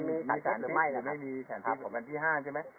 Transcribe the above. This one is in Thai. มีสารพิษไม่มีสารพิษวันที่ห้านใช่ไหม